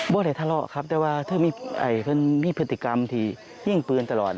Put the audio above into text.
ได้ทะเลาะครับแต่ว่าเธอมีพฤติกรรมที่ยิงปืนตลอด